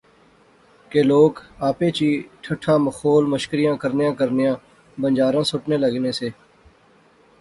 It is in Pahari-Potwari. کہ لوک آپے چی ٹھٹھا مخول مشکریاں کرنیاں کرنیاں بنجاراں سٹنے لغنے سے